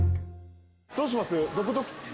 どうします？